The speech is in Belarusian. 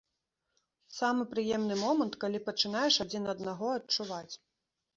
Самы прыемны момант, калі пачынаеш адзін аднаго адчуваць.